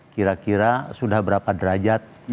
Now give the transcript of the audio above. kira kira sudah berapa derajat